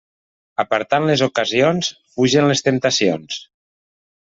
Apartant les ocasions fugen les temptacions.